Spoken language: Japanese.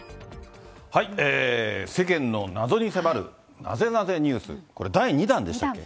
世間の謎に迫る、ナゼナゼＮＥＷＳ、これ、第２弾でしたっけ？